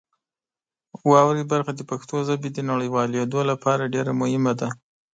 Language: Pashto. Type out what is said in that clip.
واورئ برخه د پښتو ژبې د نړیوالېدو لپاره ډېر مهمه ده.